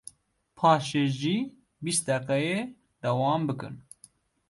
paşê jî bîst deqeyê dewam bikin.